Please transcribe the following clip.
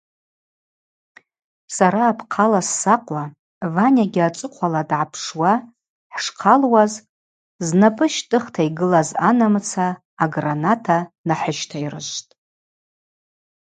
Сара апхъала ссакъуа Ванягьи ацӏыхъвала дгӏапшуа хӏшхъалуаз знапӏы щтӏыхта йгылаз анамыца аграната нахӏыщтайрышвтӏ.